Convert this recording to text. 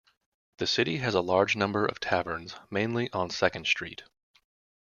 The city has a large number of taverns, mainly on Second Street.